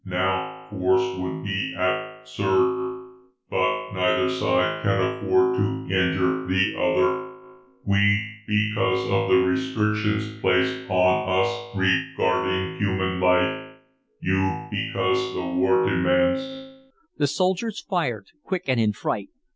Now force would be absurd, because neither side can afford to injure the other; we, because of the restrictions placed on us regarding human life, you because the war demands " The soldiers fired, quick and in fright.